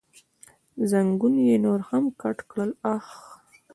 زنګون یې نور هم کت کړ، اخ.